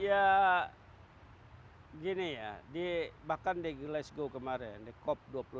ya gini ya bahkan di glasgow kemarin di cop dua puluh dua